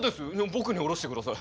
僕に降ろしてください。